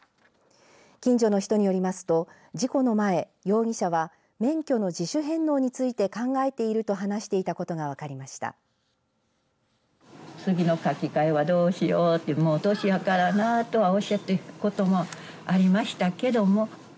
近所の人によりますと事故の前、容疑者は免許の自主返納について考えていると話していたことが分かりました。